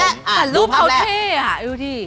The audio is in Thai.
แต่รูปเขาเท่อ่ะดูสิ